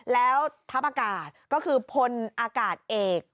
แล้วทัพอากาศก็คือพลอากาศเอก